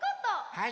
はい！